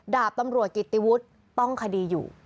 ดาบตำรวจกิติวุฒิต้องคดีอยู่